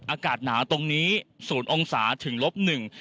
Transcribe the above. อากาศหนาตรงนี้๐องศาถึงลบหนึ่ง